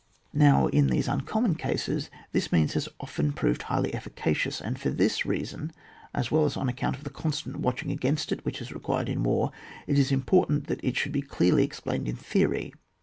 Now in these uncommon cases this means has often also proved highly efficacious, and for this reason, as well as on account of the constant watching against it which is required in war, it is important that it should be clearly explained in theory.